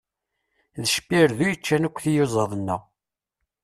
D cebbirdu i yeccan akk tiyuzaḍ-nneɣ.